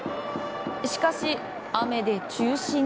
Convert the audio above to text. しかし雨で中止に。